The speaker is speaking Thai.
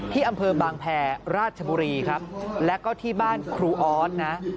ที่อำเภอบางแพรราชบุรีครับแล้วก็ที่บ้านครูออสนะ